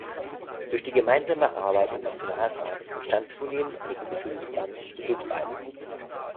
Durch die gemeinsame Arbeit im Nationalrat entstand zunehmend eine gewisse Distanz zu Duttweiler.